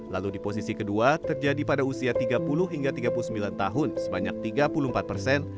lalu di posisi kedua terjadi pada usia tiga puluh hingga tiga puluh sembilan tahun sebanyak tiga puluh empat persen